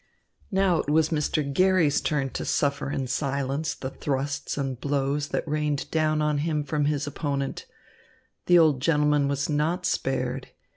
Now it was Mr. Garry's turn to suffer in silence the thrusts and blows that rained down on him from his opponent. The old gentleman was not spared.